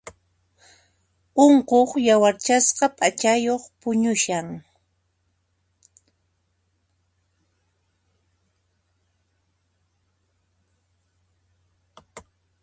Unquq yawarchasqa p'achayuq puñushan.